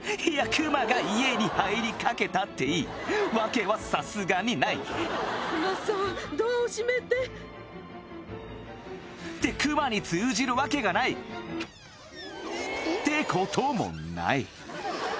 クマが家に入りかけたっていいわけはさすがにないてクマに通じるわけがないてこともない